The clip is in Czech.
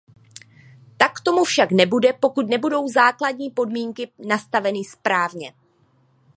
Tak tomu však nebude, pokud nebudou základní podmínky nastaveny správně.